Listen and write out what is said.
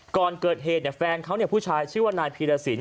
ก่อนเกิดเหตุแฟนเขาผู้ชายชื่อว่านายพีรสิน